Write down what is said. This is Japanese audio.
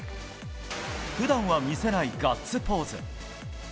普段は見せないガッツポーズ。